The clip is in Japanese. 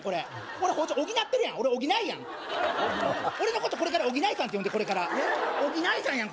俺補ってるやん俺補いやん俺のことこれから補いさんって呼んでこれから補いさんやん